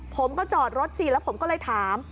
ผมก็จอดรถสิแล้วผมก็เลยถาม